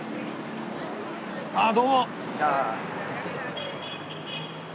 あどうも！